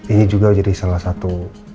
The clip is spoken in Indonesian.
ini juga jadi salah satu